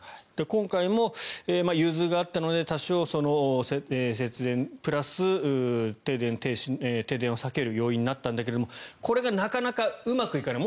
今回も融通があったので多少、節電プラス停電を避ける要因になったんだけどもこれがなかなかうまくいかない。